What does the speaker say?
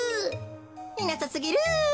いなさすぎる。